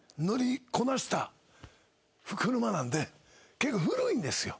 結構古いんですよ。